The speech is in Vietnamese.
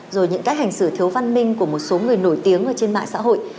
rồi những cách hành xử thiếu văn minh của một số người nổi tiếng ở trên mạng xã hội